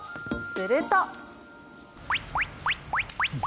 すると。